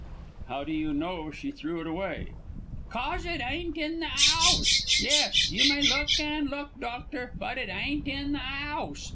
"How do you know she threw it away?" "'Cos it ain't in the 'ouse. Yes! you may look, an' look, doctor, but it ain't in the 'ouse.